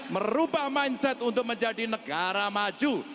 merubah mindset untuk menjadi negara maju